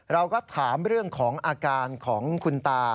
เราก็ถามเรื่องของอาการของคุณตา